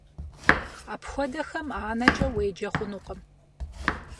Апхуэдэхэм анэкӀэ уеджэ хъунукъым.